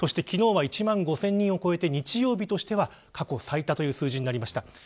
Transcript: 昨日は１万５０００人を超えて日曜日としては過去最多の数字になりました。